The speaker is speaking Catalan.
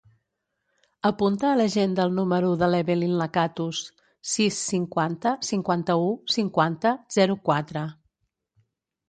Apunta a l'agenda el número de l'Evelyn Lacatus: sis, cinquanta, cinquanta-u, cinquanta, zero, quatre.